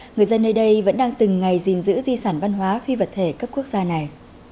người dân nơi đây vẫn đang từng ngày gìn giữ di sản văn hóa phi vật thể cấp quốc gia này